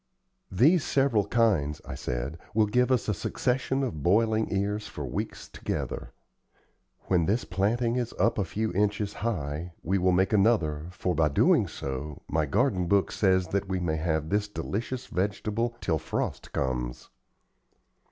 "These several kinds," I said, "will give us a succession of boiling ears for weeks together. When this planting is up a few inches high, we will make another, for, by so doing, my garden book says we may have this delicious vegetable till frost comes."